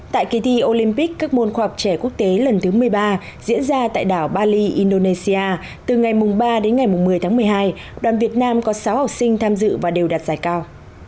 tại kỳ thi olympic các môn khoa học trẻ quốc tế lần thứ một mươi ba diễn ra tại đảo bali indonesia từ ngày ba đến ngày một mươi tháng một mươi hai đoàn việt nam có sáu học sinh tham dự và đều đạt giải cao